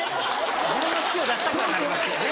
自分の好きを出したくなりますよね。